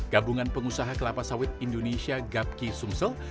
gabungan pengusaha kelapa sawit indonesia gapki sumsel